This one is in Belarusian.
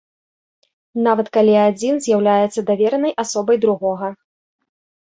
Нават калі адзін з'яўляецца даверанай асобай другога.